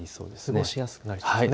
過ごしやすくなりそうですね。